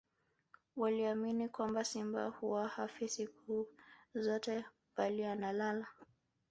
waliamini kwamba simba huwa hafi siku zote bali analala